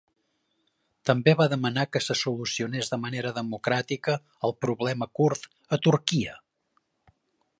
També va demanar que se solucionés de manera democràtica el problema kurd a Turquia.